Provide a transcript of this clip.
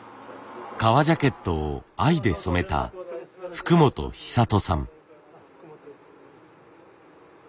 革ジャケットを藍で染めた福本久人さん。